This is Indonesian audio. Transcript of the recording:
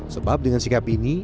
sebab dengan sikap ini